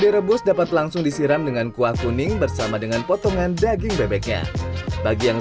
direbus dapat langsung disiram dengan kuah kuning bersama dengan potongan daging bebeknya bagi yang